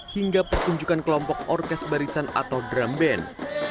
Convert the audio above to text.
hingga pertunjukan kelompok orkes barisan atau drum band